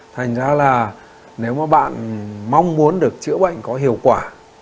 thành ra là nếu mà bạn mong muốn được chữa bệnh có hiệu quả